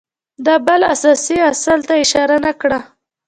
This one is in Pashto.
ده بل اساسي اصل ته اشاره نه کړه